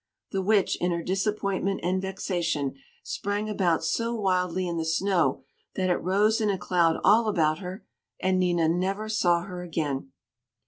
The Witch, in her disappointment and vexation, sprang about so wildly in the snow that it rose in a cloud all about her, and Nina never saw her again.